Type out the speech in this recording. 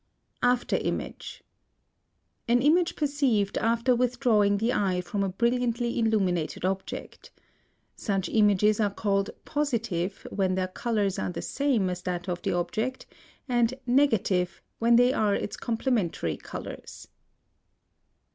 _ AFTER IMAGE. An image perceived after withdrawing the eye from a brilliantly illuminated object. Such images are called positive when their colors are the same as that of the object, and negative when they are its complementary colors.